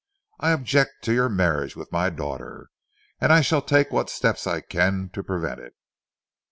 I object to your marriage with my daughter, and I shall take what steps I can to prevent it."